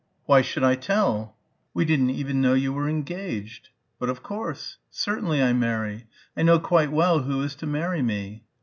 "Why should I tell?" "We didn't even know you were engaged!" "But of course. Certainly I marry. I know quite well who is to marry me."